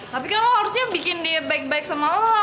tapi kan lo harusnya bikin dia baik baik sama lo